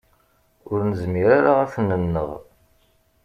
Ur nezmir ara ad t-nenneɣ.